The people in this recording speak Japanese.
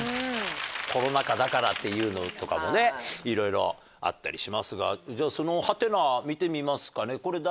コロナ禍だからっていうのとかもねいろいろあったりしますがじゃあその「？」見てみますかねこれ誰？